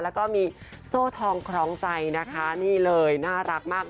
แล้วก็มีโซ่ทองคล้องใจนะคะนี่เลยน่ารักมาก